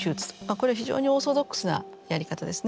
これは非常にオーソドックスなやり方ですね。